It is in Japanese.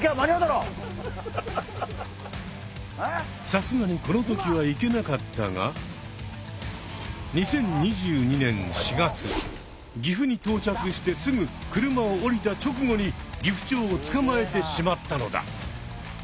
さすがにこの時は行けなかったが２０２２年４月岐阜に到着してすぐ車を降りた直後にギフチョウをつかまえてしまったのだ。